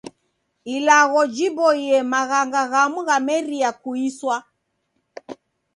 Ilagho jiboie maghanga ghamu ghamerie kuiswa.